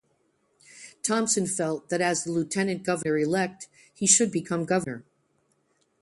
Thompson felt that as the Lieutenant Governor-elect, he should become the Governor.